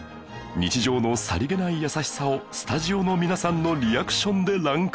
日常のさりげない優しさをスタジオの皆さんのリアクションでランク付け